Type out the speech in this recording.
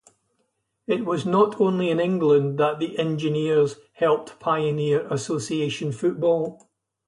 It was not only in England that the Engineers helped pioneer association football.